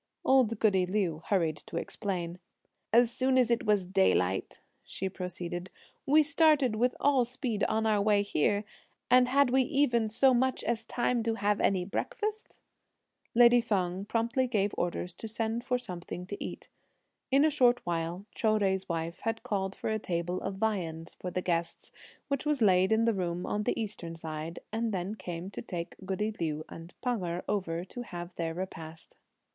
Old goody Liu hurried to explain. "As soon as it was daylight," she proceeded, "we started with all speed on our way here, and had we even so much as time to have any breakfast?" Lady Feng promptly gave orders to send for something to eat. In a short while Chou Jui's wife had called for a table of viands for the guests, which was laid in the room on the eastern side, and then came to take goody Liu and Pan Erh over to have their repast.